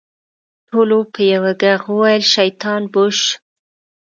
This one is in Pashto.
ټولو په يوه ږغ وويل شيطان بوش.